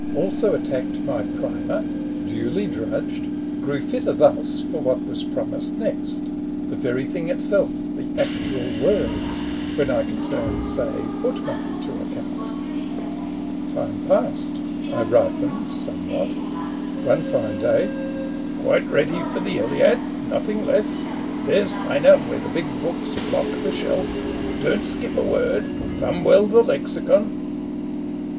Also attacked my Primer, duly drudged, Grew fitter thus for what was promised next — 126 ASOLANDO: The very thing itself, the actual words, When I could turn^say, Buttmann to account. Time passed, I ripened somewhat : one fine day, "Quite ready for the Iliad, nothing less? There's Heine, where the big books block the shelf: Don't skip a word, thumb well the Lexicon